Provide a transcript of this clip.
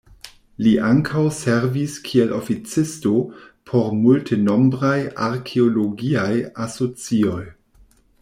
Li ankaŭ servis kiel oficisto por multenombraj arkeologiaj asocioj.